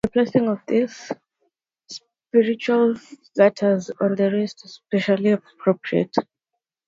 The placing of these spiritual fetters on the wrists is especially appropriate.